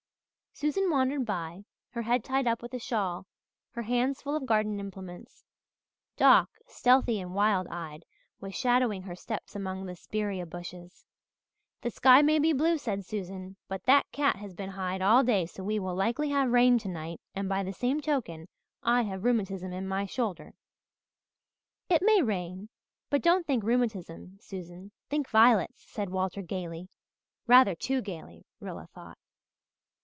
Susan wandered by, her head tied up with a shawl, her hands full of garden implements. Doc, stealthy and wild eyed, was shadowing her steps among the spirea bushes. "The sky may be blue," said Susan, "but that cat has been Hyde all day so we will likely have rain tonight and by the same token I have rheumatism in my shoulder." "It may rain but don't think rheumatism, Susan think violets," said Walter gaily rather too gaily, Rilla thought.